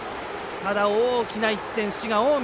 ただ、大きな１点、滋賀、近江。